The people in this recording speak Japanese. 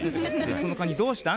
「そのカニどうしたん？」